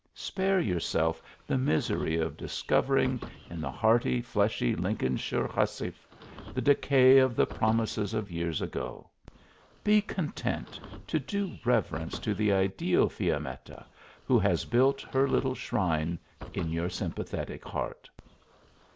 Spare yourself the misery of discovering in the hearty, fleshy Lincolnshire hussif the decay of the promises of years ago; be content to do reverence to the ideal Fiammetta who has built her little shrine in your sympathetic heart!"